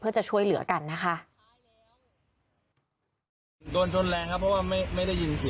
เพื่อจะช่วยเหลือกันนะคะ